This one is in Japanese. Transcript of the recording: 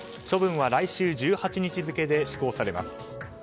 処分は来週１８日付で施行されます。